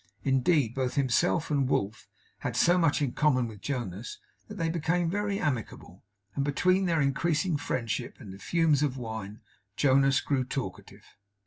Indeed, both himself and Wolf had so much in common with Jonas, that they became very amicable; and between their increasing friendship and the fumes of wine, Jonas grew talkative.